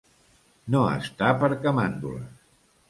No estar per camàndules.